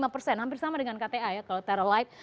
hampir sama dengan kta ya kalau terra light